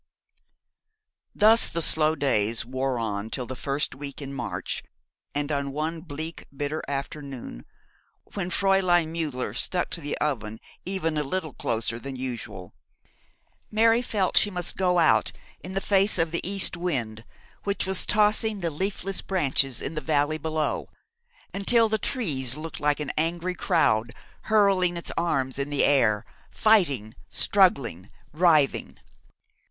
Thus the slow days wore on till the first week in March, and on one bleak bitter afternoon, when Fräulein Müller stuck to the oven even a little closer than usual, Mary felt she must go out, in the face of the east wind, which was tossing the leafless branches in the valley below until the trees looked like an angry crowd, hurling its arms in the air, fighting, struggling, writhing.